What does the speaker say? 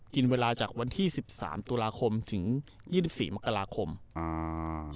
กินเวลาจากวันที่สิบสามตุลาคมถึงยี่สิบสี่มกราคมอ่า